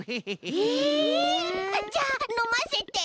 へえじゃあのませて！